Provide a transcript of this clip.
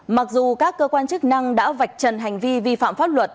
mặc dù các cơ quan chức năng đã vạch trần hành vi vi phạm pháp luật